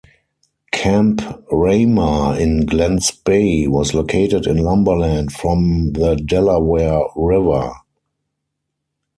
Camp Ramah in Glen Spey was located in Lumberland, from the Delaware River.